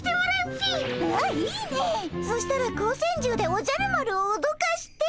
ああいいねそしたら光線銃でおじゃる丸をおどかして。